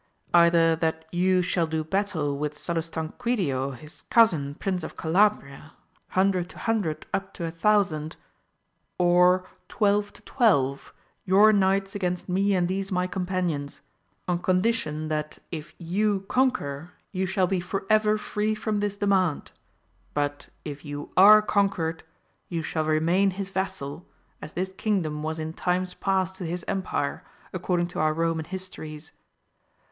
Either that you shall do battle with Salustanquidio his cousin Prince of Calabria, hundred to hundred up to a thousand, or twelve to twelve, your knights against me and these my companions : on condition that if you conquer you shall be for ever free from this demand, but if you are conquered you shall remain his vassal, as this kingdom was in times past to his empire, according to our Roman histories.